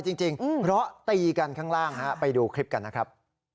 จริงเพราะตีกันข้างล่างฮะไปดูคลิปกันนะครับ